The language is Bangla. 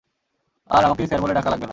আর আমাকে স্যার বলে ডাকা লাগবে না।